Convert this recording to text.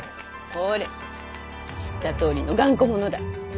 ほれ知ったとおりの頑固者だ。